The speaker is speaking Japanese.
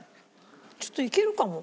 ちょっといけるかも。